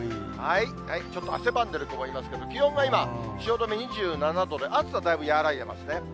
ちょっと汗ばんでる子もいますけれども、気温が今、汐留２７度で、暑さだいぶ和らいでますね。